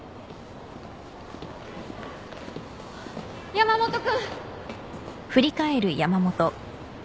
山本君！